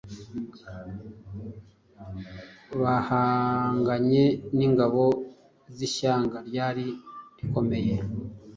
bahanganye n’ingabo z’ishyanga ryari rikomeye